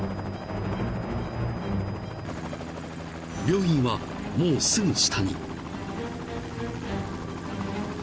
［病院はもうすぐ下に］